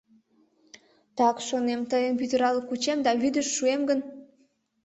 Так, шонем, тыйым пӱтырал кучем да вӱдыш шуэм гын!